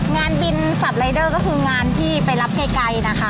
งานบินสับรายเดอร์ก็คืองานที่ไปรับไกลนะคะ